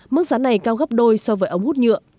mức giá này cao gấp đôi so với ống hút nhựa